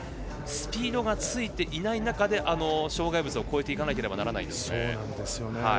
スピードがついていない中で障害物を越えていかなければならないんですね。